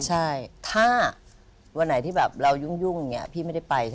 ใช่ถ้าวันไหนที่แบบเรายุ่งอย่างนี้พี่ไม่ได้ไปใช่ไหม